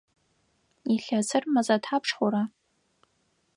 Илъэсыр мэзэ тхьапш хъура?